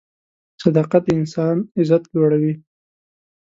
صداقت د انسان عزت لوړوي.